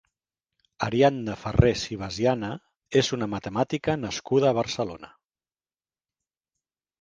Ariadna Farrés i Basiana és una matemàtica nascuda a Barcelona.